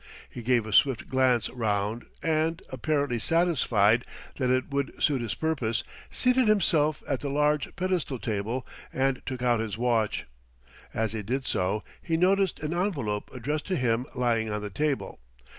He gave a swift glance round and, apparently satisfied that it would suit his purpose, seated himself at the large pedestal table and took out his watch. As he did so, he noticed an envelope addressed to him lying on the table.